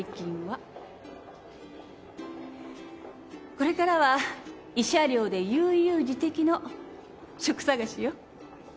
これからは慰謝料で悠々自適の職探しよ。